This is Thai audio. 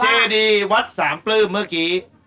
ชื่อดีวัตรสามปลื้มเมื่อกี้